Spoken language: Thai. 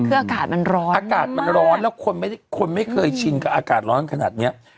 คืออากาศมันร้อนมากแล้วคนไม่เคยชินกับอากาศร้อนขนาดนี้